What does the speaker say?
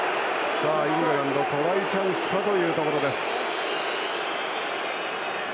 イングランドトライチャンスかというところ。